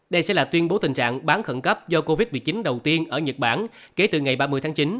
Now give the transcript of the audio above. đây sẽ là tuyên bố tình trạng bán khẩn cấp do covid một mươi chín đầu tiên ở nhật bản kể từ ngày ba mươi tháng chín